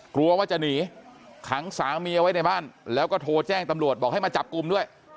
กลัวว่าจะหนีขังสามีเอาไว้ในบ้านแล้วก็โทรแจ้งตำรวจบอกให้มาจับกลุ่มด้วย